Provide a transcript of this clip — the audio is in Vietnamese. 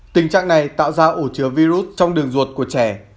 tình trạng này tạo ra ổ chứa virus trong đường ruột của trẻ